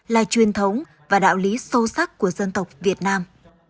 là truyền thống và đạo lý sâu sắc của dân tộc việt nam